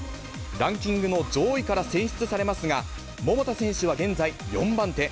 ランキングの上位から選出されますが、桃田選手は現在、４番手。